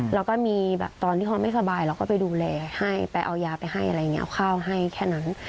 แล้วก็มีแบบตอนที่เขาไม่สบายเราก็ไปดูแลให้ไปเอายาไปให้อะไรอย่างนี้เอาข้าวให้แค่นั้น